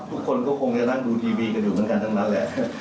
ทุกคนก็คงจะนั่งดูทีวีกันอยู่เหมือนกันทั้งนั้นแหละ